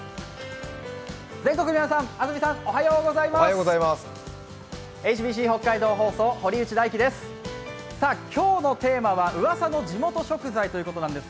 全国の皆さん、安住さん、おはようございます。